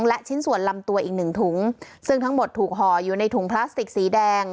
และชิ้นส่วนลำตัวอีกหนึ่งถุงซึ่งทั้งหมดถูกห่ออยู่ในถุงพลาสติกสีแดง